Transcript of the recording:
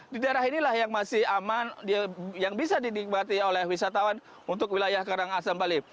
di daerah inilah yang masih aman yang bisa dinikmati oleh wisatawan untuk wilayah karangasem bali